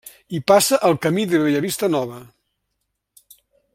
Hi passa el Camí de Bellavista Nova.